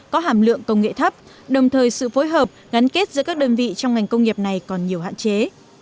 có hàm lượng công nghệ thấp đồng thời sự phối hợp gắn kết giữa các đơn vị trong ngành công nghiệp này còn nhiều hạn chế